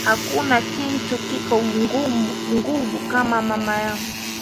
Akuna kintu kiko nguvu kwa mama yangu